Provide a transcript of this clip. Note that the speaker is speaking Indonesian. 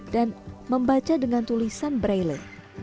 dan membaca dengan tulisan braille